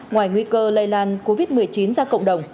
ngoài nguy cơ lây lan covid một mươi chín ra cộng đồng